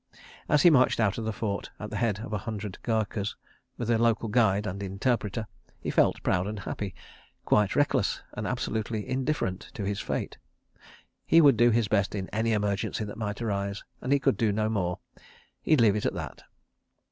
... As he marched out of the Fort at the head of a hundred Gurkhas, with a local guide and interpreter, he felt proud and happy, quite reckless, and absolutely indifferent to his fate. He would do his best in any emergency that might arise, and he could do no more. He'd leave it at that.